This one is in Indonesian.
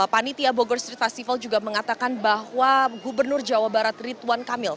panitia bogor street festival juga mengatakan bahwa gubernur jawa barat rituan kamil